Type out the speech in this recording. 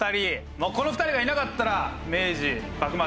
もうこの２人がいなかったら明治幕末